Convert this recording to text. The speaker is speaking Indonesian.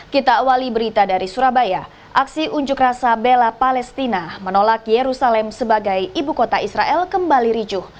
kita awali berita dari surabaya aksi unjuk rasa bela palestina menolak yerusalem sebagai ibu kota israel kembali ricuh